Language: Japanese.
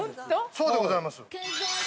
◆そうでございます。